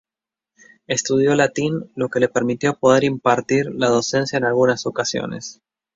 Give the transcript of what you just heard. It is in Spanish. Estudió latín, lo que le permitió poder impartir la docencia en algunos ocasiones.